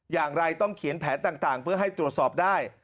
อย่างไรต้องเขียนแผนต่างเพื่อให้ตรวจสอบได้